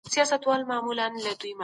تقوا د لوړوالي معيار ده.